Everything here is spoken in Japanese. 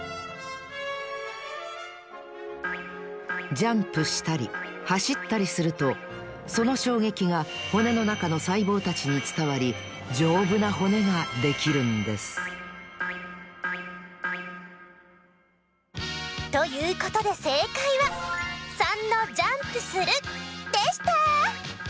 ジャンプしたりはしったりするとそのしょうげきが骨のなかのさいぼうたちにつたわりじょうぶな骨ができるんですということでせいかいは③のジャンプするでした！